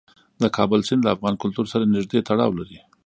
د کابل سیند له افغان کلتور سره نږدې تړاو لري.